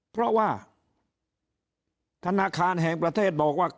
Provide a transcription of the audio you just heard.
เพราะว่าธนาคารแห่งประเทศบอกว่า